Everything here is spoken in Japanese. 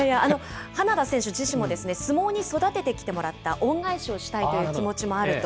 花田選手自身も、相撲に育ててきてもらった恩返しをしたいという気持ちもあると。